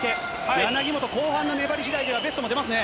柳本、後半の粘りしだいではベストも出ますね。